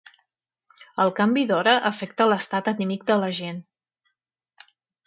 El canvi d'hora afecta l'estat anímic de la gent.